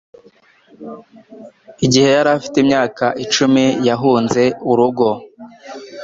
Igihe yari afite imyaka icumi yahunze urugo